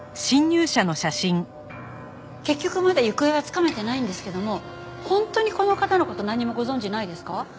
結局まだ行方はつかめてないんですけども本当にこの方の事なんにもご存じないですか？